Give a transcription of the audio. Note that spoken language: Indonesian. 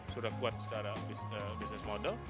sudah kuat secara bisnis model